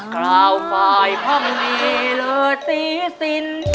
กล่าวปลายพร้อมมีเลอสีสิ้น